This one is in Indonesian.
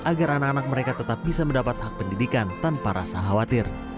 agar anak anak mereka tetap bisa mendapat hak pendidikan tanpa rasa khawatir